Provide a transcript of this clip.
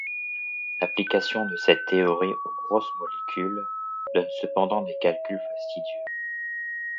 L’application de cette théorie aux grosses molécules donne cependant des calculs fastidieux.